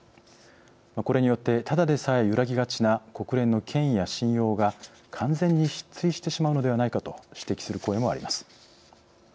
これによって、ただでさえ揺らぎがちな国連の権威や信用が完全に失墜してしまうのではないかと、指摘する声もあります。